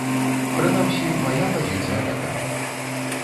Прынамсі, мая пазіцыя такая.